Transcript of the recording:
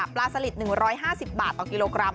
สลิด๑๕๐บาทต่อกิโลกรัม